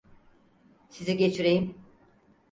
Sizi geçireyim.